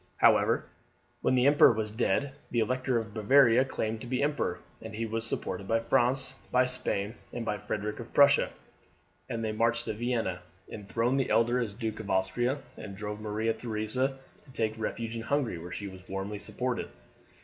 However, when the emperor was dead the Elector of Bavaria claimed to be emperor, and he was supported by France, by Spain, and by Frederick of Prussia, and they marched to Vienna, enthroned the elector as Duke of Austria, and drove Maria Theresa to take refuge in Hungary, where she was warmly supported.